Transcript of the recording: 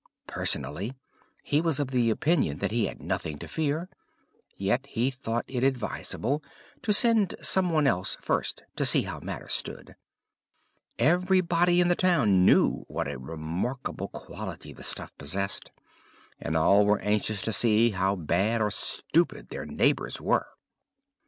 Personally, he was of opinion that he had nothing to fear, yet he thought it advisable to send somebody else first to see how matters stood. Everybody in the town knew what a remarkable quality the stuff possessed, and all were anxious to see how bad or stupid their neighbours were.